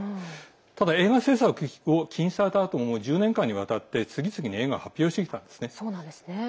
ただ映画制作を禁止されたあとも１０年間にわたって次々と映画を発表してきたんですね。